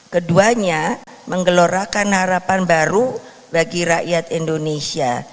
keduanya menggelorakan harapan baru bagi rakyat indonesia